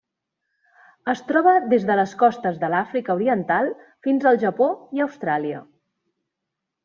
Es troba des de les costes de l'Àfrica Oriental fins al Japó i Austràlia.